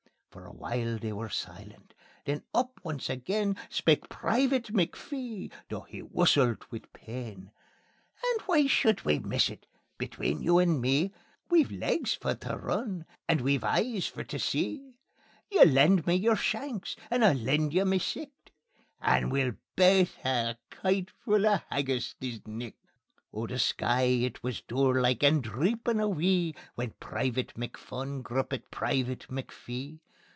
For a while they were silent; then up once again Spoke Private McPhee, though he whussilt wi' pain: "And why should we miss it? Between you and me We've legs for tae run, and we've eyes for tae see. You lend me your shanks and I'll lend you ma sicht, And we'll baith hae a kyte fu' o' haggis the nicht." Oh the sky it wis dourlike and dreepin' a wee, When Private McPhun gruppit Private McPhee.